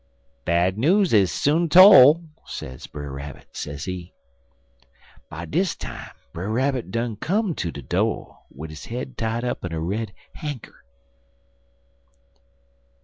"'Bad news is soon tole,' sez Brer Rabbit, sezee. "By dis time Brer Rabbit done come ter de do', wid his head tied up in a red hankcher.